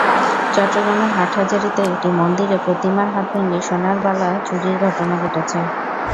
চট্টগ্রামের হাটহাজারীতে একটি মন্দিরে প্রতিমার হাত ভেঙে সোনার বালা চুরির ঘটনা ঘটেছে।